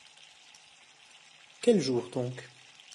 Quel jour donc?